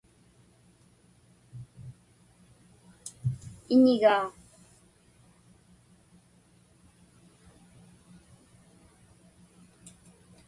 Iññigaa.